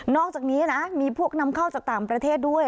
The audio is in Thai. อกจากนี้นะมีพวกนำเข้าจากต่างประเทศด้วย